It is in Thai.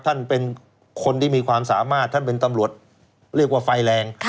ท่านเป็นคนที่มีความสามารถท่านเป็นตำรวจเรียกว่าไฟแรง